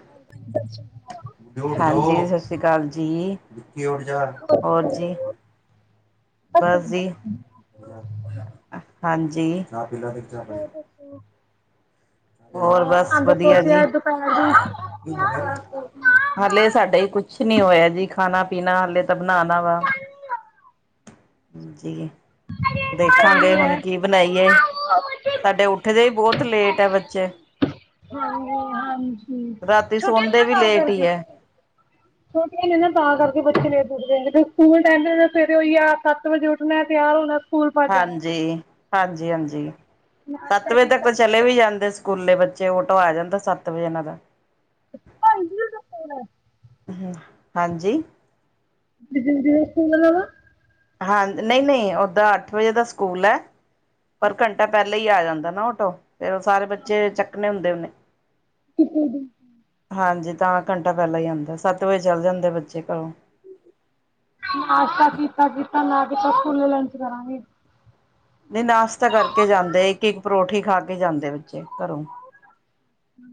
[inaudible] ਹਾਂਜੀ ਸਸ ਸ੍ਰੀ ਕਾਲ ਜੀ, ਹੋਰ ਜੀ ਬਸ ਜੀ, ਹਾਂਜੀ [inaudible] ਹੋਰ ਬਸ ਆਂਦਾ ਵਧੀਆ ਜੀ ਸੋਚਿਆ ਦੁਪਹਿਰ ਦੀ ਹਾਲੇ ਸਾਡਾ ਕੁਛ ਨੀ ਹੋਇਆ ਜੀ ਖਾਨਾ ਪੀਨਾ ਹਾਲੇ ਤਾਂ ਬਣਾਨਾ ਵਾ ਜੀ ਸਹੀ ਦੇਖਾਂਗੇ ਹੈ ਹੁਣ ਕੀ ਬਨਾਈਏ। [inaudible] ਸਾਡੇ ਉੱਠਦੇ ਹੀ ਬੋਹਤ ਲੇਟ ਐ ਬੱਚੇ। ਹਾਂਜੀ ਹਾਂਜੀ ਰਾਤੀ ਛੁੱਟੀਆਂ ਨੇ ਸੌਦੇ ਨਾ ਵੀ ਤਾਂ ਲੇਟ ਹੀ ਕਰਕੇ ਹੈ ਛੁਟੀਆ ਨੇ ਨਾ ਤਾਂ ਕਰਕੇ ਬੱਚੇ ਲੇਟ ਉੱਠਦੇ ਸਕੂਲ ਟਾਈਮ ਸਵੇਰੇ ਉਹੀ ਆ ਸੱਤ ਵਜੇ ਉੱਠਨੇ। ਤਿਆਰ ਹੋਨਾ ਹਾਂਜੀ, ਹਾਂਜੀ, ਹਾਂਜੀ ਨਾਸ਼ਤਾ ਸੱਤ ਵਜੇ ਤੱਕ ਕੀਤਾ ਤਾਂ ਚਲੇ ਵੀ ਕੀਤਾ ਜਾਂਦੇ ਸਕੂਲੇ ਬੱਚੇ ਓਟੋ ਆ ਜਾਂਦਾ ਸੱਤ ਵਜੇ ਇਨਾਂ ਦਾ [unintelligible] ਹੂੰ, ਹਾਂਜੀ [unintelligible] ਹਾਂ ਨਈ ਨਈ ਓਦਾਂ ਅੱਠ ਵਜੇ ਦਾ ਸਕੂਲ ਐ ਪਰ ਘੰਟਾ ਪੈਹਲੇ ਈ ਆ ਜਾਂਦਾ ਨਾ ਓਟੋ ਫੇਰ ਸਾਰੇ ਬੱਚੇ ਚੱਕਨੇ ਹੁੰਦੇ ਉਹਨੇ [unintelligible] ਹਾਂਜੀ ਤਾਂ ਘੰਟਾ ਪਹਿਲਾਂ ਈ ਆਂਦਾ ਸੱਤ ਵਜੇ ਚੱਲ ਜਾਂਦੇ ਬੱਚੇ ਘਰੋਂ। ਨਾਸਤਾ ਕੀਤਾ ਕੀਤਾ ਨਾ ਕੀਤਾ ਸਕੂਲੇ ਲੰਚ ਕਰਾਂਗੇ। ਨੀਂ ਨਾਸ਼ਤਾ ਕਰਕੇ ਜਾਂਦੇ ਇੱਕ ਇੱਕ ਪਰੌਠੀ ਖਾ ਕੇ ਜਾਂਦੇ ਬੱਚੇ ਘਰੋਂ।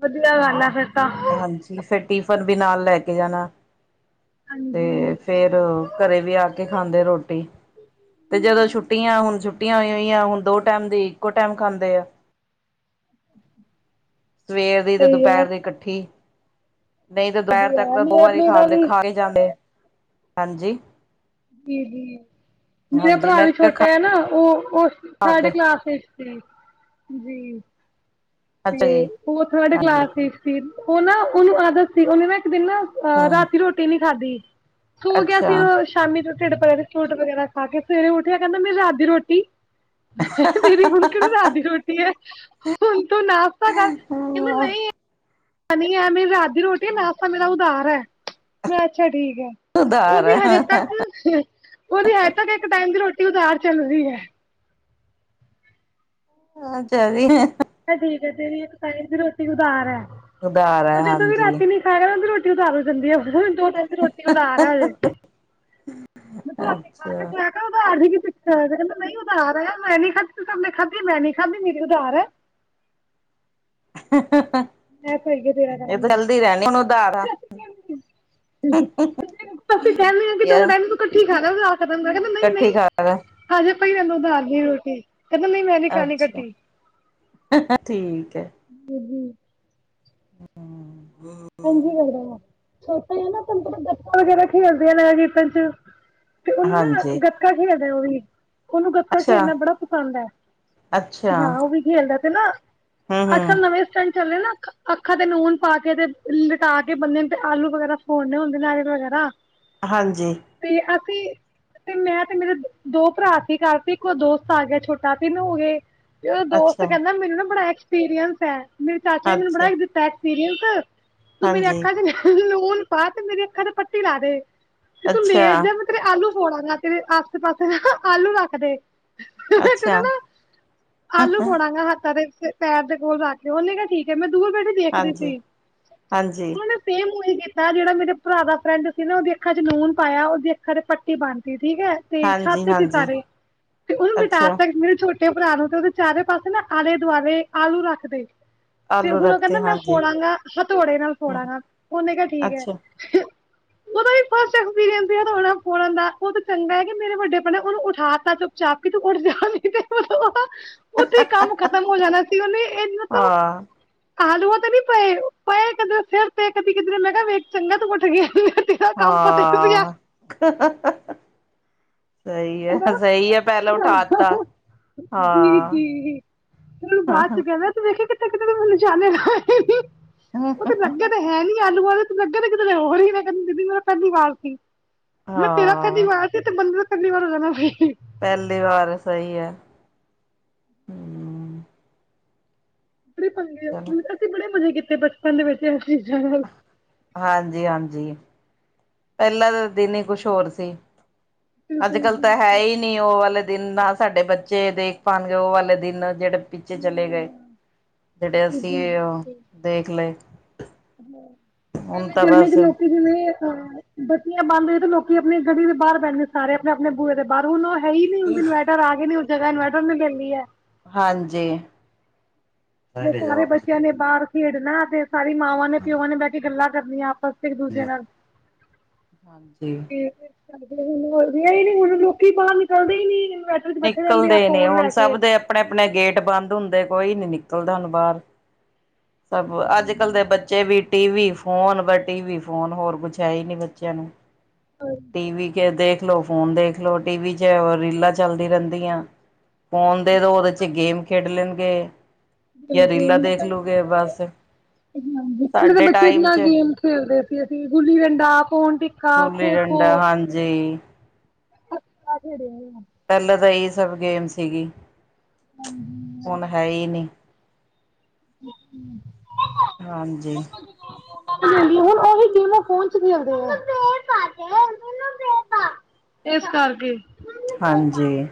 ਵਧੀਆ ਗੱਲ ਐ ਫੇਰ ਤਾਂ। ਹਾਂਜੀ ਫੇਰ ਟਿਫਨ ਵੀ ਨਾਲ ਲੈ ਕੇ ਜਾਨਾ ਤੇ ਹਾਂਜੀ ਫੇਰ ਰ ਘਰੇ ਵੀ ਆ ਕੇ ਖਾਂਦੇ ਰੋਟੀ ਤੇ ਜਦੋਂ ਛੁੱਟੀਆਂ ਹੁਣ ਛੁੱਟੀਆਂ ਹੋਈ ਹੋਈਆਂ ਹੁਣ ਦੋ ਟਾਈਮ ਦੀ ਇੱਕੋ ਟੈਮ ਖਾਂਦੇ ਆ। [inaudible] ਸਵੇਰ ਦੀ ਤੇ ਸਹੀ ਹੈ ਦੁਪਹਿਰ ਦੀ ਕੱਠੀ ਨਈ ਤੇ ਦੁਪਹਿਰ ਵਧੀਆ ਤੱਕ ਹੈ ਤਾਂ ਦੋ ਮੇਰਾ ਵਾਰੀ ਮੇਰਾ ਖਾਲੇ ਵੀ ਖਾ ਕੇ ਜਾਂਦੇ, ਹਾਂਜੀ ਜੀ ਜੀ ਮੇਰਾ ਹਾਂਜੀ ਭਰਾ ਮੈਂ ਵੀ ਕਿਹਾ ਛੋਟਾ ਆ ਨਾ ਓ ਉਹ ਖਾ ਥਰਡ ਕੇ ਕਲਾਸ ਵਿੱਚ ਜੀ, ਜੀ ਤੇ ਅੱਛਾ ਜੀ ਉਹ ਥਰਡ ਹਾਂਜੀ ਕਲਾਸ ਵਿੱਚ ਸੀ ਉਹ ਨਾ ਉਹਨੂੰ ਆਦਤ ਸੀ ਉਹਨੇ ਨਾ ਇੱਕ ਦਿਨ ਨਾ ਅ ਹੂੰ ਰਾਤੀ ਰੋਟੀ ਨੀ ਖਾਧੀ ਸੋਂ ਗਿਆ ਅੱਛਾ ਸੀ ਓ ਸ਼ਾਮੀ ਤੋਂ ਢਿੱਡ ਪਰਿਆ ਤੇ ਫਰੂਟ ਵਗੈਰਾ ਖਾ ਕੇ ਸਵੇਰੇ ਉਠਿਆ ਕਹਿੰਦਾ ਮੇਰੀ ਰਾਤ ਦੀ ਰੋਟੀ ਦੀਦੀ ਹੁਣ ਕਿਹੜਾ ਰਾਤ ਦੀ ਰੋਟੀ ਏ ਹੁਨ ਤੂੰ ਨਾਸ਼ਤਾ ਕਰ ਕਹਿੰਦਾ ਨਈ ਨਈ ਐ ਮੇਰੀ ਰਾਤ ਦੀ ਰੋਟੀ ਨਾਸ਼ਤਾਂ ਮੇਰਾ ਉਦਾਰ ਏ ਮੈਂ ਅੱਛਾ ਠੀਕ ਐ। ਉਧਾਰ ਓਦੀ ਹਜੇ ਹੈ ਤੱਕ ਓਦੀ ਹਜੇ ਤੱਕ ਇੱਕ ਟਾਈਮ ਦੀ ਰੋਟੀ ਉਧਾਰ ਚੱਲਰੀ ਐ। ਹਾਂ ਚੱਲਰੀ ਐ ਠੀਕ ਐ, ਤੇਰੀ ਇਕ ਟਾਈਮ ਦੀ ਰੋਟੀ ਉਦਾਰ ਐ, ਉਧਾਰ ਉਹ ਹੈ ਜਦੋਂ ਵੀ ਹਾਂਜੀ ਰਾਤੀ ਨੀ [unintelligible] ਰੋਟੀ ਉਦਾਰ ਹੋ ਜਾਂਦੀ ਐ, ਹੁਣ ਦੋ ਟਾਈਮ ਦੀ ਰੋਟੀ ਐ ਅੱਜੇ ਮੈਂ ਤੂੰ ਰੋਟੀ ਖਾ ਕੇ ਅੱਛਾ ਸੋਯਾ ਕਰ ਉਦਾਰ ਦੀ ਕੀ ਤੇ ਕਹਿੰਦਾ ਨਹੀਂ ਉਦਾਰ ਐ, ਮੈਂ ਨਹੀਂ ਖਾਦੀ ਤੁਸੀਂ ਸਭ ਨੇ ਖਾਦੀ, ਮੈਂ ਨਹੀਂ ਖਾਦੀ ਮੇਰੀ ਉਦਾਰ ਐ। [inaudible] ਮੈਂ [unintelligible] ਤੇਰਾ ਇਹ ਰਹਿਣ ਤਾਂ ਲਈ ਚਲਦੀ ਰਹਿਣੀ ਹੁਣ ਉਧਾਰ ਆ [unintelligible] ਅਸੀਂ ਕਹਿਣੇ ਆ ਕਿ ਦੋ ਯ ਟੈਮ ਕੱਠੀ ਖਾ ਲੈ ਫੇਰ ਉਦਾਰ ਖ਼ਤਮ ਕਰ, ਕਹਿੰਦਾ ਨਹੀਂ ਨਹੀਂ ਇਕੱਠੀ ਕਰ ਹਜੇ ਪਈ ਰਹਿਣ ਦੋ ਉਧਾਰ ਦੀ ਰੋਟੀ, ਕਹਿੰਦਾ ਨਹੀਂ ਮੈਂ ਨੀ ਅੱਛਾ, ਠੀਕ ਏ ਜੀ ਜੀ ਹੁੰ, [unintelligible] ਇੰਝ ਹੀ ਲੱਗਦਾ ਐ, ਛੋਟਾ ਐ ਨਾ ਵੱਡਾ ਵਗੈਰਾ ਖੇਲਦੇ‌ [unintelligible] ਹਾਂਜੀ। ਗੱਤਕਾ ਖੇਡਦਾ ਉਹ ਵੀ, ਉਹਨੂੰ ਗਤਕਾ ਅੱਛਾ ਖੇਡਣਾ ਬੜਾ ਪਸੰਦ ਐ, ਹਾਂ ਉਹ ਵੀ ਖੇਲਦਾ ਤੇ ਨਾ ਹੂੰ-ਹੂੰ। ਅੱਜ ਕੱਲ ਨਵੇਂ ਸਟੰਟ ਚੱਲੇ ਨਾ ਅੱਖਾਂ-ਅੱਖਾਂ ਤੇ ਨੂਨ ਪਾ ਕੇ ਤੇ ਲਟਾ ਕੇ ਬੰਦੇ ਨੂੰ ਤੇ ਆਲੂ ਵਗੈਰਾ ਫੋੜਨੇ ਹੁੰਦੇ ਨਾਰੀਅਲ ਵਗੈਰਾ। ਹਾਂਜੀ। ਤੇ ਅਸੀਂ ਤੇ ਮੈਂ ਤੇ ਮੇਰੇ ਦੋ ਪਰਾ ਸੀ ਕਰ ਸੀ, ਇੱਕ ਓ ਦੋਸਤ ਆ ਗਿਆ ਛੋਟਾ, ਤਿੰਨ ਹੋ ਗਏ ਤੇ ਉਹ ਦੋਸਤ ਅੱਛਾ ਕਹਿੰਦਾ ਮੈਨੂੰ ਨਾ ਬੜਾ ਐਕਸਪੀਰੀਅੰਸ ਐ, ਮੇਰੇ ਚਾਚੇ ਨੇ ਮੈਨੂੰ ਅੱਛਾ ਬੜਾ ਦਿੱਤਾ ਐਕਸਪੀਰੀਅੰਸ। ਤੂੰ ਮੇਰੇ ਹਾਂਜੀ ਅੱਖਾਂ ਨੂਨ ਪਾ ਤੇ ਮੇਰੀ ਅੱਖਾਂ ਤੇ ਪੱਟੀ ਲਾ ਦੇ, ਤੇ ਤੂੰ ਲੇਟ ਅੱਛਾ ਜਾ ਮੈਂ ਤੇਰੇ ਆਲੂ ਫੋੜਾਂ ਗਾ, ਤੇਰੇ ਆਸੇ ਪਾਸੇ ਨਾ ਆਲੂ ਰੱਖਦੇ। ਤੇਰੇ ਅੱਛਾ ਨਾ ਆਲੂ ਫੋੜਾ ਗਾ ਹੱਥਾਂ ਦੇ ਵਿਚ ਪੈਰ ਦੇ ਕੋਲ ਰੱਖ ਕੇ ਉਹਨੇ ਕਿਹਾ ਠੀਕ ਐ, ਮੈਂ ਦੂਰ ਬੈਠੇ ਹਾਂਜੀ-ਹਾਂਜੀ। ਤੇ ਸੇਮ ਉਹੀ ਕੀਤਾ ਜਿਹੜਾ ਮੇਰੇ ਪਰਾ ਦਾ ਫਰੈਂਡ ਸੀ ਨਾ ਉਹਦੀ ਅੱਖਾਂ ਚ ਨੂਨ ਪਾਇਆ ਉਹਦੀ ਅੱਖਾਂ ਚ ਪੱਟੀ ਬਣ ਤੀ ਠੀਕ ਐ। ਤੇ ਹਾਂਜੀ ਸੱਤ ਤੇ ਹਾਂਜੀ ਸਾਰੇ, ਉਹਨੂੰ ਲਿਟਾ ਅੱਛਾ ਤਾ ਮੇਰੇ ਛੋਟ ਪਰਾ ਨੂੰ ਤੇ ਉਹਦੇ ਚਾਰੇ ਪਾਸੇ ਨਾ ਆਲੇ ਦੁਆਲੇ ਆਲੂ ਰੱਖ ਤੇ। ਤੇ ਆਲੂ ਉਧਰੋਂ ਰੱਖਤੇ ਕਹਿੰਦਾ ਮੈਂ ਹਾਂਜੀ ਫੋੜਾਂਗਾ ਹਥੌੜੇ ਨਾਲ ਹੂੰ ਫੋੜਾਂਗਾ, ਉਹਨੇ ਕਿਹਾ ਠੀਕ ਅੱਛਾ ਐ। ਉਹਦਾ ਵੀ ਫਸਟ ਐਕਸਪੀਰੀਅੰਸ ਹਥੌੜੇ ਨਾਲ ਫੋੜਨ ਦਾ, ਉਹ ਚੰਗਾ ਐ ਕਿ ਮੇਰੇ ਵੱਡੇ ਪਰਾ ਨੇ ਉਹਨੂੰ ਉਠਾ ਤਾ [unintelligible] ਉੱਥੇ ਕੰਮ ਖਤਮ ਹੋ ਜਾਣਾ ਸੀ ਉਹਨੇ, ਇਹ ਮਤਲਬ ਹਾਂ ਆਲੂਆਂ ਤੇ ਨੀ ਪਏ ਪਏ ਕਦੇ ਸਿਰ ਤੇ ਕਦੀ ਕਿਧਰੇ ਵੇਖ ਚੰਗਾ ਤੂੰ ਉਠ ਗਿਆ ਤੇਰਾ ਕੰਮ ਪਤਾ ਸੀ ਆ ਹਾਂ। ਸਹੀ ਐ, ਸਹੀ ਐ, ਪਹਿਲਾਂ ਉਠਾ ਤਾ, ਹਾਂ। ਤੇਨੂੰ ਬਾਅਦ ਚ ਕਹਿੰਦੇ ਤੂੰ ਵੇਖੀ ਕਿਥੇ ਕਿਥੇ ਨਿਸ਼ਾਨੇ ਲਾਏ [unintelligible] ਉਹ ਤੇ ਲੱਗਦ ਹੈ ਨੀ ਆਲੂਆਂ ਦੇ ਤੇ ਲੱਗੇ ਕਿਤੇ ਹੋਰ ਈ ਨੇ, ਕਹਿੰਦਾ ਦੀਦੀ ਮੇਰਾ ਪਹਿਲੀ ਵਾਰ ਸੀ। ਮੈਂ ਕਿਹਾ ਤੇਰਾ ਪਹਿਲੀ ਹਾਂ ਵਾਰ ਸੀ ਤੇ ਬੰਦੇ ਦਾ ਪਹਿਲੀ ਵਾਰ ਹੋ ਜਾਣਾ ਸੀ। ਪਹਿਲੀ ਵਾਰ ਸਹੀ ਐ। ਅਸੀਂ ਪੰਗੇ, ਚਲੋ ਅੱਸੀ ਬੜੇ ਮਜ਼ੇ ਕੀਤੇ ਬਚਪਨ ਦੇ ਵਿੱਚ ਇਹ ਚੀਜ਼ਾਂ ਨਾਲ। ਹਾਂਜੀ-ਹਾਂਜੀ। ਪਹਿਲਾਂ ਦੇ ਦਿਨ ਹੀ ਕੁਛ ਹੋਰ ਸੀ, ਅੱਜ ਕੱਲ ਤਾਂ ਹੈ ਹੀ ਨਹੀਂ। ਨਹੀਂ ਉਹ ਵਾਲੇ ਦਿਨ ਨਾ ਸਾਡੇ ਬੱਚੇ ਦੇਖ ਪਾਨਗੇ ਉਹ ਵਾਲੇ ਦਿਨ ਜਿਹੜੇ ਪਿੱਛੇ ਚਲੇ ਗਏ ਜਿਹੜੇ ਅਸੀਂ ਉਹ ਦੇਖ ਲਏ ਹੁਣ ਪਹਿਲੇ ਤਾਂ ਦਿਨ ਜੇ ਬਸ ਹੀ ਨੌਕਰੀ ਤੇ ਗਏ ਆ ਬੱਤੀਆਂ ਬੰਦ ਹੋਈ ਤੇ ਲੋਕੀ ਆਪਨੀ ਗਲੀ ਦੇ ਬਾਹਰ ਬੈਠਦੇ ਸਾਰੇ ਆਪਨੇ ਆਪਨੇ ਬੂਹੇ ਦੇ ਪਰ ਹੁਨ ਉਹ ਹੈ ਹੀ ਨੀ ਹੁਨ ਇਨਵਰਟਰ ਆਗੇ ਨੀ ਉਹ ਜਗ੍ਹਾ ਇਨਵਰਟਰ ਨੇ ਲੈ ਲਈ ਐ ਹਾਂਜੀ ਤੇ ਸਾਰੇ ਬੱਚਿਆਂ ਨੇ ਬਾਹਰ ਖੇਡਨਾ ਤੇ ਸਾਰੀ ਮਾਵਾਂ ਨੇ ਪਿਓ ਨੇ ਬਹਿ ਕੇ ਗੱਲਾਂ ਕਰਨੀਆਂ ਬਸ ਇੱਕ ਦੂਜੇ ਨਾਲ, ਹਾਂਜੀ ਠੀਕ ਹੈ ਕਰਦੇ ਹੁਨ ਰਿਆ ਈ ਨਈ ਹੁਨ ਲੋਕੀ ਬਾਹਰ ਨਿਕਲਦੇ ਹੀ ਨੀ‌ ਇਨਵੇ ਨਿਕਲਦੇ ਨੇ ਹੁਨ ਸਭ ਦੇ ਆਪਨੇ ਆਪਨੇ ਗੇਟ ਬੰਦ ਹੁੰਦੇ ਕੋਈ ਨੀ ਨਿਕਲਦਾ ਹੁਨ ਬਾਹਰ ਸਭ ਅੱਜ-ਕੱਲ੍ਹ ਦੇ ਬੱਚੇ ਵੀ ਟੀ-ਵੀ ਫੋਨ ਵ ਟੀ-ਵੀ ਫੋਨ ਹੋਰ ਕੁਛ ਹੈ ਈ ਨੀ ਬੱਚਿਆਂ ਨੂੰ [inaudible] ਟੀ-ਵੀ ਕੇ ਦੇਖ ਲੋ ਫੋਨ ਦੇਖ ਲੋ ਟੀ-ਵੀ ਚ ਰੀਲਾਂ ਚੱਲਦੀ ਰਹਿੰਦੀਆਂ ਫੋਨ ਦੇਦੋ ਉਹਦੇ 'ਚ ਗੇਮ ਖੇਡ ਲੈਣਗੇ ਜਾਂ ਰੀਲਾਂ ਦੇਖੋ ਦੇਖ ਲੂਗੇ ਬਸ ਸਾਡੇ ਬੱਚੇ ਤਾਂ ਟਾਈਮ ਨਾ 'ਚ ਗੇਮ ਖੇਲਦੇ ਸੀ ਅਸੀਂ ਗੁੱਲੀ ਡੰਡਾ ਪਾਉਣ ਟਿਕ ਤੇ ਗੂਲੀ ਡੰਡਾ, ਹਾਂਜੀ [unintelligible] ਪਹਿਲਾਂ ਤਾਂ ਇਹੀ ਸਭ ਗੇਮ ਸੀਗੀ ਹੁਨ ਹੈ ਈ ਨਹੀਂ [unintelligible] ਹਾਂਜੀ [unintelligible] [unintelligible] ਏਸ ਕਰਕੇ ਹਾਂਜੀ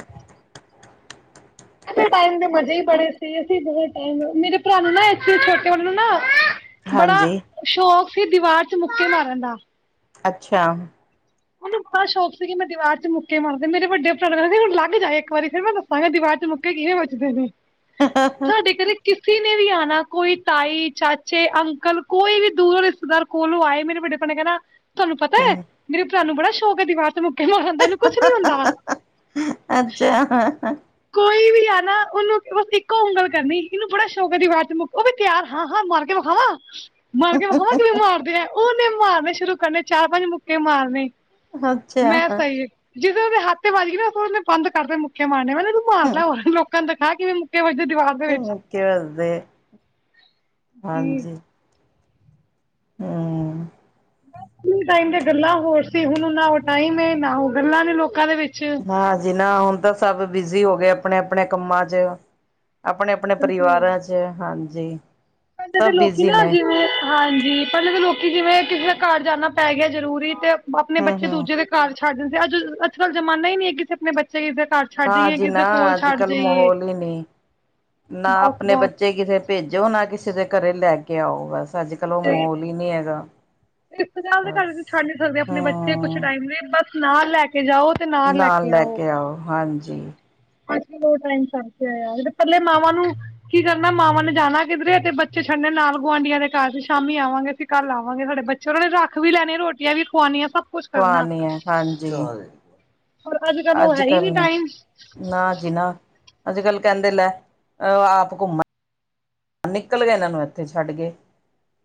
ਟਾੲਮ ਦੇ ਮਜੇ ਹੀ ਬੜੇ ਸੀ ਅਸੀਂ ਬਹੁਤ ਟਾਈਮ ਮੇਰੇ ਪਰਾ ਨੂੰ ਨਾ ਇੱਥੇ ਛੋਟੇ ਆਲੇ ਨੂੰ ਨਾ ਬੜਾ ਹਾਂਜੀ ਸ਼ੌਕ ਸੀ, ਦੀਵਾਰ ਚ ਮੁੱਕੇ ਮਾਰਨ ਦਾ ਅੱਛਾ ਉਹਨੂੰ ਬੜਾ ਸ਼ੌਕ ਸੀ ਮੈ ਦੀਵਾਰ ਚ ਮੁਕੇ ਮਾਰਾ ਮੇਰੇ ਵੱਡੇ ਪਰਾ ਨੂੰ ਲੱਗ ਜਾਏ ਇੱਕ ਵਾਰੀ ਫਿਰ ਮੈ ਦੀਵਾਰ ਚ ਮੁੱਕੇ ਕਿਵੇਂ ਵਜਦੇ ਨੇ, ਸਾਡੇ ਘਰੇ ਕਿਸੇ ਨੇ ਵੀ ਆਨਾ ਕੋਈ ਤਾਈ ਚਾਚੇ ਅੰਕਲ ਕੋਈ ਵੀ ਦੂਰ ਰਿਸ਼ਤੇਦਾਰ ਕੋਲੋ ਆਏ ਮੇਰੇ ਵਡੇ ਪਾ ਨੇ ਕਹਿੰਣਾ ਤੁਹਾਨੂੰ ਪਤਾ ਐ ਤੁਹਾਨੂੰ ਬੜਾ ਸ਼ੌਕ ਐ ਦੀਵਾਰ ਚ ਮੁੱਕੇਂ ਮਾਰਨ ਦਾ ਇਹਨੁ ਕੂਛ ਨਹੀ ਹੋੰਦਾ ਅੱਛਾ ਕੋਈ ਵੀ ਆਨਾ ਉਹਨੂੰ ਬਸ ਇੱਕੋ ਗਲ ਕਰਨੀ ਇਹਨੂੰ ਬੜਾ ਸ਼ੌਕ ਐ ਦੀਵਾਰ ਚ ਮੁਕੇ ਉਹ ਵੀ ਤਿਆਰ ਹਾਂ ਹਾਂ ਮਾਰ ਕੇ ਵਿਖਾਵਾਂ ਮਾਰ ਕੇ ਵਿਖਾਵਾ ਕਿਵੇ ਮਾਰਦੇ ਐ ਓਨੇ ਮਾਰਨੇ ਸ਼ੁਰੂ ਕਰਨੇ ਚਾਰ ਪੰਜ ਮੁੱਕੇ ਮਾਰਨੇ ਮੈਂ ਅੱਛਾ। ਸਹੀ ਜਿਦੇ ਉਹਦੇ ਹੱਥ ਵਜ ਗਈ ਨਾ ਉਹਨੇ ਬੰਦ ਕਰਦੇ ਮੁੱਕੇ ਮਾਰਨੇ ਤੂੰ ਮਾਰ ਲਿਆ ਹੋਰ ਕੀ ਲੋਕਾਂ ਦਿਖਾ ਕੇ ਵੀ ਮੁੱਕੇ ਵਜੇ ਦੀਵਾਰ ਦੇ ਵਿੱਚ। [unintelligible] ਹੰ ਟਾਈਮ ਤੇ ਗੱਲਾਂ ਹੋਰ ਸੀ ਹੁਨ ਨਾ ਉਹ ਟਾਈਮ ਏ ਨਾ ਉਹ ਗੱਲਾਂ ਨੇ ਲੋਕਾਂ ਦੇ ਵਿੱਚ ਨਾ ਜੀ ਨਾ ਹੁਨ ਤਾਂ ਸਭ ਬਿਜ਼ੀ ਹੋ ਗਏ ਅਪਨੇ ਅਪਨੇ ਕੰਮਾਂ ਚ ਅਪਨੇ-ਅਪਨੇ ਬਿਲਕੁਲ ਪਰਿਵਾਰਾਂ ਚ ਹਾਂਜੀ ਪਿੰਡ ਦੇ ਸਭ ਲੋਕੀ ਬਿਜ਼ੀ ਨਾ ਨੇ ਜਿਵੇਂ ਹਾਂਜੀ, ਪਿੰਡ ਦੇ ਲੋਕੀ ਜਿਵੇਂ ਕਿਸੇ ਘਰ ਜਾਨਾ ਪੈ ਗੇਆ ਜਰੂਰੀ ਤੇ ਆਪਨੇ ਬੱਚੇ ਹੂੰ-ਹੂੰ। ਦੂਜੇ ਦੇ ਘਰ ਛੱਡ ਦੇਂਦੇ, ਅੱਜ ਅੱਜ- ਕੱਲ ਜਮਾਨਾ ਈ ਨੀ ਐ ਕਿ ਅਸੀ ਅਪਨੇ ਬੱਚੇ ਕਿਸੇ ਘਰ ਛੱਡ ਨਾ ਜਾਈਏ ਜੀ ਕਿਸੇ ਨਾ ਦੇ ਕੋਲ ਅੱਜ ਛੱਡ -ਕੱਲ ਜਾਈਏ ਮਾਹੌਲ ਈ ਨੀ, ਨਾ ਬਸ ਆਪਨੇ ਬਸ ਬੱਚੇ ਕਿਸੇ ਭੇਜੋ, ਨਾ ਕਿਸੇ ਦੇ ਘਰੇ ਲੈ ਕੇ ਆਓ, ਬਸ ਅੱਜ-ਕੱਲ ਓ ਮਾਹੌਲ ਈ ਨੀਂ ਹੈਗਾ। ਰਿਸ਼ਤੇਦਾਰ ਦੇ ਘਰ ਬਸ ਛੱਡ ਨੀਂ ਸਕਦੇ ਆਪਨੇ ਬੱਚੇ ਕੁਛ ਹੂੰ ਟਾਈਮ ਲਈ, ਬਸ ਨਾਲ ਲੈ ਕੇ ਜਾਓ ਨਾਲ ਲੈ ਕੇ ਆਓ, ਹਾਂਜੀ। [unintelligible] ਆਏਆ ਸੀ ਤੇ ਪੱਲੇ ਮਾਵਾਂ ਨੂੰ ਕੀ ਕਰਨਾ ਮਾਵਾਂ ਨੇ ਜਾਨਾ ਕਿਧਰੇ ਤੇ ਬੱਚੇ ਛੱਡਨੇ ਨਾਲ ਗੁਆਂਡੀਆਂ ਦੇ। ਸ਼ਾਮੀ ਆਵਾਂਗੇ ਅਸੀਂ ਕੱਲ ਆਵਾਂਗੇ, ਸਾਡੇ ਬੱਚੇ ਓਨਾਂ ਨੇ ਰੱਖ ਵੀ ਲੈਨੇ ਰੋਟੀਆਂ ਵੀ ਖਵਾਨੀਆਂ ਸਬ ਖਵਾਨੀਆਂ, ਹਾਂਜੀ। ਪਰ ਅੱਜ- ਕੱਲ ਓ ਹੈ ਈ ਨੀ ਟਾਈਮ। ਨਾ ਜੀ ਨਾ, ਅੱਜ-ਕੱਲ ਕੈਂਦੇ ਲੈ ਆਪ ਘੁੰਮ ਨਿਕਲ ਗਏ ਏਨਾਂ ਨੂੰ ਏਥੇ ਛੱਡ ਗਏ,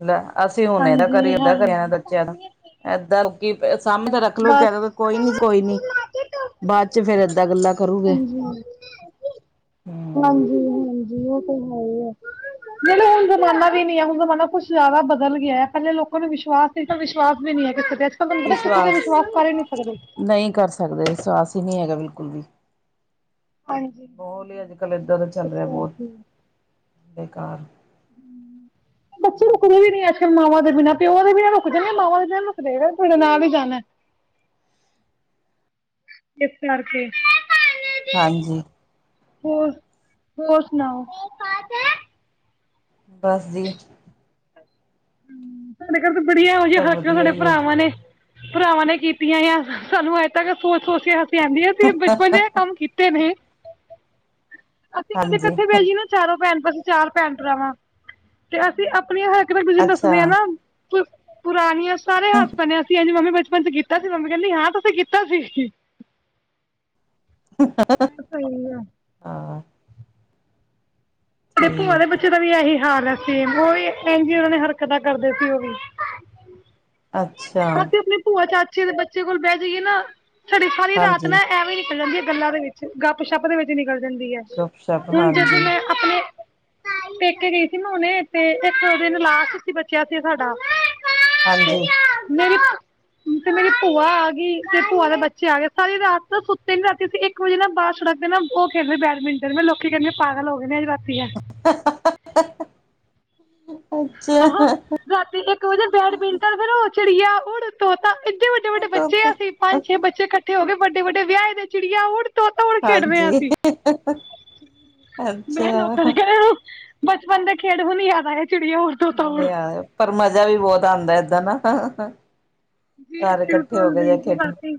ਲੈ ਅਸੀਂ ਹੁਨ ਏਦਾ ਹਾਂਜੀ ਕਰੀਏ ਓਦਾ ਕਰੀਏ। [unintelligible] ਹਾਂਜੀ ਉਪਰੋਂ ਬਸ ਕੇਹ ਦੋ ਗੇ, ਕੋਈ ਨੀ -ਕੋਈ ਨੀ ਬਾਦ ਚ ਫੇਰ ਏਦਾਂ ਗੱਲਾਂ ਕਰੂਗੇ। ਹਮ ਹਮ ਹਾਂਜੀ -ਹਾਂਜੀ ਓ ਤੇ ਹੈ ਈ ਐ। ਨਈ-ਨਈ ਹੁਨ ਜਮਾਨਾ ਵੀ ਨੀਂ ਐ, ਹੁਨ ਜਮਾਨਾ ਕੁੱਛ ਜਾਦਾ ਬਦਲ ਗੇਐ, ਪੈਲੇ ਲੋਕਾਂ ਨੂੰ ਵਿਸ਼ਵਾਸ ਕਿਸੇ ਤੇ ਵਿਸ਼ਵਾਸ ਵੀ ਨੀਂ ਐ, [unintelligible] ਕਿਸੀ ਵਿਸ਼ਵਾਸ ਕਰ ਈ ਨੀਂ ਸਕਦੇ। ਨਈ ਕਰ ਸਕਦੇ ਵਿਸਵਾਸ ਈ ਨੀਂ ਹੈਗਾ ਬਿਲਕੁਲ ਵੀ। ਹਾਂਜੀ ਮੋਹਲ ਈ ਅੱਜ -ਕੱਲ ਏਦਾਂ ਦਾ ਇਸ ਚੱਲ ਰੇਆ, ਬੌਤ ਕਰਕੇ ਬੇਕਾਰ ਬੱਚੇ ਹਾਂਜੀ ਰੁਕਦੇ ਵੀ ਨੀ ਐ ਮਾਵਾਂ ਦੇ ਬਿਨਾਂ, ਪਿਓ ਦੇ ਬਿਨਾਂ ਰੁਕ ਜਾਂਦੇ। ਮਾਂਵਾ ਦੇ ਬਿਨਾਂ ਨੀਂ ਰੁਕਦੇ ਕੈਂਦੇ ਤੁਆਡੇ ਨਾਲ ਈ ਜਾਨਾ। ਏਸ ਕਰਕੇ ਹਾਂਜੀ। ਹੋਰ, ਹੋਰ ਸੁਨਾਓ? ਬਸ ਜੀ। ਸਾਡੇ ਘਰ ਤਾਂ ਬੜੀ ਐਹੋ ਜੇਹੀ, ਸਭ ਹਰਕ ਵਧੀਆ ਸਾਡੇ ਹੀ ਹੈ ਜੀ ਭਰਾਵਾਂ ਨੇ ਭਰਾਵਾਂ ਨੇ ਕੀਤੀਆਂ ਐ ਸਾਨੂੰ ਅੱਜੇ ਤੱਕ ਸੋਚ-ਸੋਚ ਕੇ ਹੱਸੀ ਆਂਦੀ ਐ ਅਸੀ ਬਚਪਨ ਚ ਏ ਕੰਮ ਕੀ ਤੇ ਨੇ, ਅਸੀਂ ਕਦੇ ਹਾਂਜੀ ਕੱਠੇ ਬੈ ਜੀਏ ਨਾ, ਚਾਰੋ ਭੈਣ, ਬਸ ਚਾਰ ਭੈਣ-ਭਰਾ ਵਾਂ ਤੇ ਅਸੀਂ ਆਪਨੀਆਂ ਹਰਕਤ ਇੱਕ ਦੂਜੇ ਨੂੰ ਦੱਸ ਅੱਛਾ ਪੁਰਾਨੀਆਂ ਸਾਰੇ ਹੱਸ ਪੈਨੇ, ਅਸੀਂ ਏੰਜ ਮੰਮੀ ਬਚਪਨ 'ਚ ਕੀ ਤਾ ਸੀ। ਮੰਮੀ ਕੈੰਦੀ ਹਾਂ, ਤੁਸੀਂ ਕੀਤਾ ਸੀ। [unintelligible] [unintelligible] ਹਾਂ ਤੇ ਭੂਆ ਦੇ ਠੀਕ ਬੱਚੇ ਦਾ ਵੀ ਏਹੀ ਹਾਲ ਐ ਸੇਮ ਓ ਵੀ ਇੰਝ ਈ ਉਹਨਾਂ ਨੇ ਹਰਕਤਾਂ ਕਰਦੇ ਸੀ, ਓ ਵੀ। ਅੱਛਾ। ਅਸੀ ਆਪਨੇ ਭੂਆ-ਚਾਚੇ ਦੇ ਬੱਚੇ ਕੋਲ ਬੈਹ ਜਾਈਏ ਨਾ ਸਾਡੀ ਸਾਰੀ ਰਾਤ ਹਾਂਜੀ ਨਾ, ਐਵੇਂ ਈ ਨਿਕਲ ਜਾਂਦੀ ਐ ਗੱਲਾਂ ਦੇ ਵਿੱਚ, ਗੱਪ-ਸ਼ੱਪ ਦੇ ਵਿੱਚ ਨਿਕਲ ਜਾਂਦੀ ਐ। ਗੁਪਸ਼ਪ ਹੁਨ ਜਦੋਂ ਹਾਂਜੀ ਮੈਂ ਆਪਨੇ ਪੇਕੇ ਗਈ ਸੀ ਨਾ ਹੁਨੇ ਤੇ ਇੱਕ ਦਿਨ ਲਾਸਟ ਸੀ, ਬਚੇਆ ਸੀ, ਸਾਡਾ। ਤੇ ਹਾਂਜੀ ਮੇਰੀ -ਤੇ ਮੇਰੀ। ਭੂਆ ਆ ਗਈ। ਤੇ ਭੂਆ ਦੇ ਬੱਚੇ ਆ ਗਏ, ਸਾਰੀ ਰਾਤ ਨਾ ਸੁੱਤੇ ਨੀਂ, ਰਾਤੀ ਅਸੀਂ, ‌ਇੱਕ ਵਜੇ ਨਾ ਬਾਰ ਸੜਕ ਨਾ, ਓ ਖੇਡਦੇ ਬੈਡਮਿੰਟਨ। ਮੈਂ ਲੋਕੀ ਕੇਹਨਗੇ ਪਾਗਲ ਹੋ ਗਏ ਨੇ, ਅੱਜ ਰਾਤੀ ਐ। [inaudible] [inaudible] ਆਹੋ, ਅੱਛਾ ਰਾਤੀ ਇੱਕ ਵਜੇ ਬੈਡਮਿੰਟਨ ਫੇਰ ਓ ਚੜੀਆ ਉੜ ਤੋਤਾਂ, ਏਡੇ ਵੱਡੇ-ਵੱਡੇ ਬੱਚੇ ਆ ਅਸੀ। ਪੰਜ-ਛੇ ਬੱਚੇ ਕੱਠੇ ਹੋ ਗਏ, ਵੱਡੇ-ਵੱਡੇ ਵਿਯਾਏ ਦੇ ਚਿੜੀਆ ਊੜ ਤੋਤਾ ਊੜ ਖੇਡਦੇ ਆਂ ਹਾਂਜੀ ਅਸੀ। ਮੈਂ ਅੱਛਾ ਲੋਕਾਂ ਨੇ ਕੈਣਾ ਐ ਬਚਪਨ ਦੇ ਖੇਡ ਹੁਨ ਯਾਦ ਆਏ, ਚਿੜੀਆਂ ਊੜ ਪਰ ਮਜਾ ਵੀ ਬੋਤ ਆਂਦਾ ਏਦਾਂ ਨਾ। ਜੀ, ਸਾਰੇ ਇਕੱਠੇ ਹੋ ਕੇ ਜੇ ਬਿਲਕੁਲ-ਬਿਲਕੁਲ, ਖੇਡਣ ਰਾਤੀ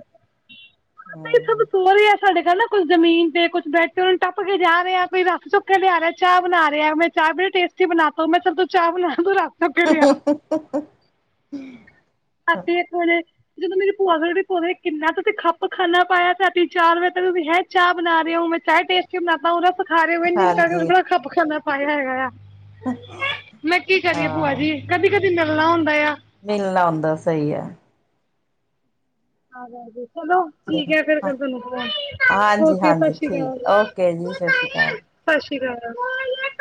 ਓਦਾਂ ਈਂ ਆ ਸਭ ਹਮ ਸੋ ਰੇਆਂ, ਸਾਡੇ ਘਰ ਨਾ ਕੁੱਛ ਜ਼ਮੀਨ ਤੇ ਕੁੱਛ ਬੈਡ ਤੇ, ਓਨਾਂ ਨੂੰ ਟੱਪ ਕੇ ਜਾ ਰੇਆ ਕੋਈ ਰੱਸ ਚੁੱਕ ਕੇ ਲਿਆ ਰੇਆ, ਚਾਹ ਬਣਾ ਰੇਆ। ਚਾਯ ਬੜੀ ਟੇਸਟੀ ਬਣਾਤਾ ਹੂੰ। ਮੈਂ ਕੇਯਾ ਚਲ ਤੂੰ ਚਾਹ ਬਣਾ ਚੁੱਕ ਕੇ ਲਿਆ [inaudible] ਰਾਤੀ ਏਕ ਵਜੇ ਜਦੋਂ ਮੇਰੀ ਭੂਆ ਗਲ ਵੀ ਪੋ ਕਿੰਨਾ ਤੇ ਖੱਪ-ਖਾਨਾ ਪਾਇਆ‌ ਦਾ ਰਾਤੀ ਚਾਰ ਵਜੇ ਤੱਕ ਤੁਸੀ, ਹੈਂ? ਚਾਹ ਬਣਾ ਰੇਓ। ਮੈਂ ਚਾਯ ਟੇਸਟੀ ਬਣਾਤਾ ਹੁੰ, ਰੱਸ ਖਾ ਰੇਓ, ਇੰਝ-ਇੰਝ ਕਰਕੇ ਹਾਂਜੀ ੜਾ ਖੱਪ-ਖਾਨਾ ਪਾਯਾ ਹੋਯਾ ਆ। ਮੈਂ ਕੀ ਕਰੀਏ, ਭੂਆ ਹਾਂ ਜੀ? ਕਦੀ-ਕਦੀ ਮਿਲਣਾ ਹੁੰਦਾ ਯਾ। ਮਿਲਣਾ ਹੋਂਦਾ, ਸਈ ਐ। ਸੁਨੋ ਠੀਕ ਹੈ ਐ, ਫੇਰ ਤਾਨੂੰ ਫੋਨ। ਹਾਂਜੀ ਓਕੇ, ਹਾਂਜੀ ਸਤ ਸ਼੍ਰੀ ਅਕਾਲ। ਠੀਕ ਓਕੇ ਜੀ ਸਤਿ ਸ਼੍ਰੀ ਅਕਾਲ ਸਸ ਸ਼੍ਰੀ ਅਕਾਲ।